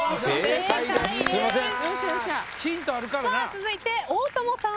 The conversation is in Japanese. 続いて大友さん。